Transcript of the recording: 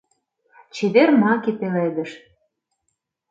Чевер маке пеледыш.